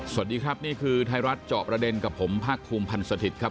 สวัสดีครับนี่คือไทยรัฐเจาะประเด็นกับผมภาคภูมิพันธ์สถิตย์ครับ